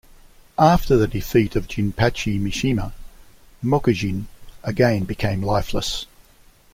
After the defeat of Jinpachi Mishima, Mokujin again became lifeless.